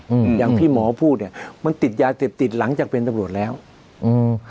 อืมอย่างที่หมอพูดเนี้ยมันติดยาเสพติดหลังจากเป็นตำรวจแล้วอืม